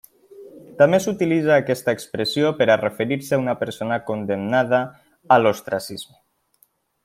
També s'utilitza aquesta expressió per a referir-se a una persona condemnada a l'ostracisme.